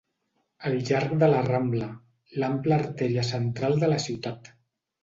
Al llarg de la Rambla, l'ampla artèria central de la ciutat